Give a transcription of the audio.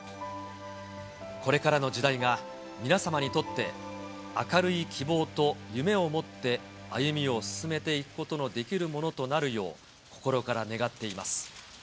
これからの時代が皆様にとって明るい希望と夢を持って歩みを進めていくことのできるものとなるよう、心から願っています。